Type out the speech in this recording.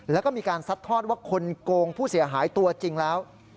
แล้วก็มีการซัดทอดว่าคนโกงผู้เสียหายตัวจริงแล้ว